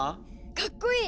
かっこいい！